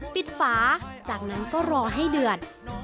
ฝาจากนั้นก็รอให้เดือด